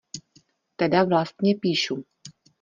Teda vlastně píšu.